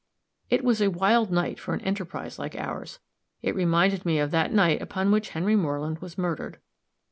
It was a wild night for an enterprise like ours. It reminded me of that night upon which Henry Moreland was murdered.